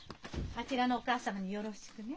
あちらのお母様によろしくね。